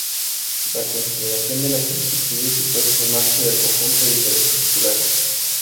La consideración de las inquietudes y puesta en marcha del conjunto de intereses populares.